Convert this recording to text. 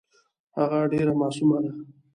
هغه ډېره معصومه ده .